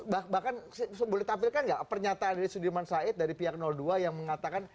bahkan boleh ditampilkan nggak pernyataan dari sudirman said dari pihak dua yang mengatakan